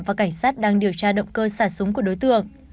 và cảnh sát đang điều tra động cơ xả súng của đối tượng